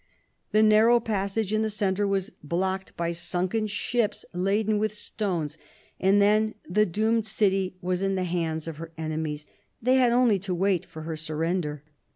The narrow passage in the centre was blocked by sunken ships laden with stones, and then the doomed city was in the hands of her enemies : they had only to wait for her surrender.